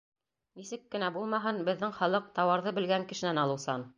Нисек кенә булмаһын, беҙҙең халыҡ тауарҙы белгән кешенән алыусан.